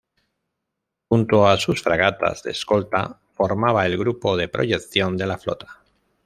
Junto a sus fragatas de escolta, formaba el Grupo de Proyección de la Flota.